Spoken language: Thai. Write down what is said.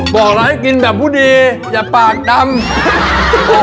บอกเราให้กินแบบผู้ดีอย่าปากดำ